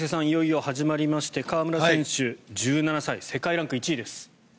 いよいよ始まりまして川村選手、１７歳世界ランク１位です。